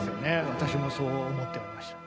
私もそう思っておりました。